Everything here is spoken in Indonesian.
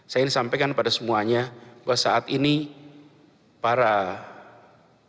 saya ingin sampaikan kepada semuanya bahwa saat ini para pengungsi